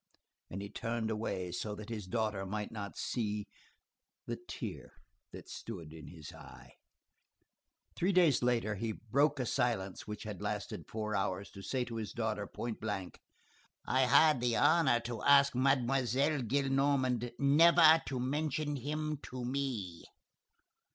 And he turned away so that his daughter might not see the tear that stood in his eye. Three days later he broke a silence which had lasted four hours, to say to his daughter point blank:— "I had the honor to ask Mademoiselle Gillenormand never to mention him to me."